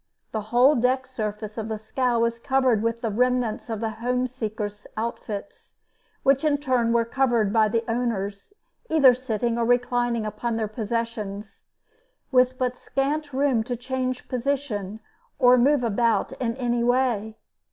The whole deck surface of the scow was covered with the remnants of the homeseekers' outfits, which in turn were covered by the owners, either sitting or reclining upon their possessions, with but scant room to change position or move about in any way.